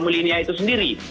dari komunikasi politik